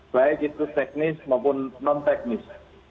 baik itu teknis maupun non teknis